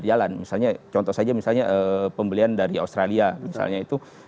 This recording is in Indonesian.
layak pakai tetap berjalan misalnya contoh saja misalnya pembelian dari australia misalnya itu